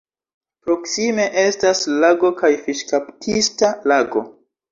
Proksime estas lago kaj fiŝkaptista lago.